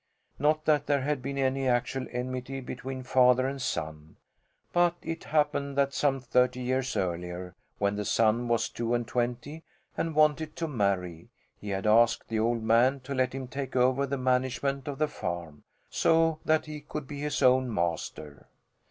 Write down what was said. Not that there had been any actual enmity between father and son, but it happened that some thirty years earlier, when the son was two and twenty and wanted to marry, he had asked the old man to let him take over the management of the farm, so that he could be his own master.